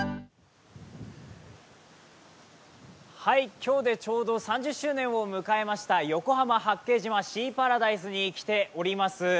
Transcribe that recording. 今日でちょうど３０周年を迎えました横浜・八景島シーパラダイスに来ております。